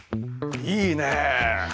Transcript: いいね。